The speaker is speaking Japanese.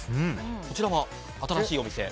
こちらは新しいお店？